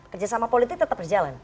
kerjasama politik tetap berjalan